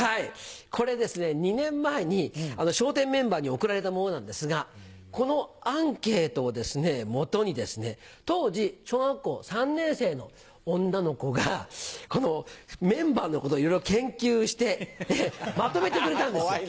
これ２年前に笑点メンバーに送られたものなんですがこのアンケートを基にですね当時小学校３年生の女の子がメンバーのことをいろいろ研究してまとめてくれたんですよ。